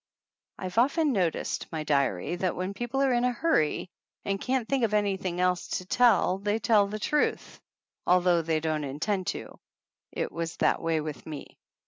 I've often noticed, my diary, that when people are in a hurry and can't think of anything else to tell they tell the truth, although they don't intend to. It was that way with me.